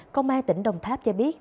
công an tỉnh đồng tháp cho biết